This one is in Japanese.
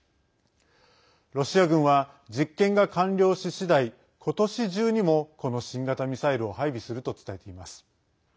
ロシア軍は、実験が完了ししだいことし中にもこの新型ミサイルを配備すると伝えています。